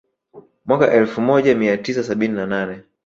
Mwaka elfu moaja mia tisa sabini na nane